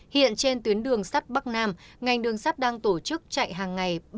hiện trên tuyến đường sắt bắc nam ngành đường sắt đang tổ chức chạy hàng ngày